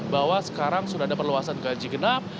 bahwa sekarang sudah ada perluasan ganjigenap